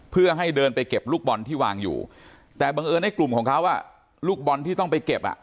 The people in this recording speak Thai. เพื่อให้เดินไปเก็บลูกบอลที่วางอยู่แต่บังเอิญในกลุ่มของเขาอ่ะลูกบอลที่ต้องไปเก็บอ่ะ